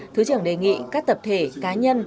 thứ trưởng đề nghị các tập thể cá nhân